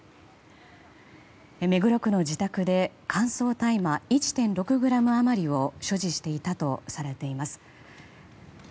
目黒区の自宅で乾燥大麻１．６ｇ余りを所持していたとされています。